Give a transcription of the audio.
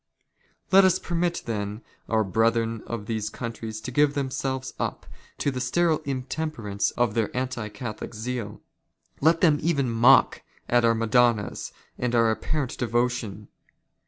Let ^' us permit, then, our brethren of these countries to give themselves " up to the sterile intemperance of their anti Catholic zeal. Let '' them even mock at our Madonnas and our apparent devotion.